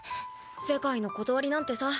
世界の理なんてさ